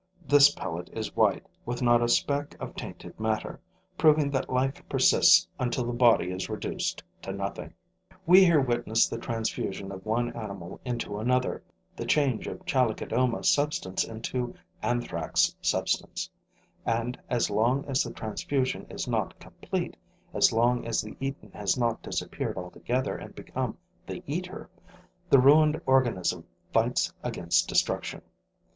This pellet is white, with not a speck of tainted matter, proving that life persists until the body is reduced to nothing. We here witness the transfusion of one animal into another, the change of Chalicodoma substance into Anthrax substance; and, as long as the transfusion is not complete, as long as the eaten has not disappeared altogether and become the eater, the ruined organism fights against destruction.